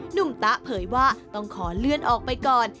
หนุ่มตะเผยว่าต้องขอเลื่อนออกไปก่อน